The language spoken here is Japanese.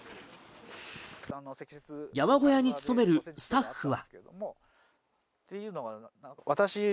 山小屋に勤めるスタッフは。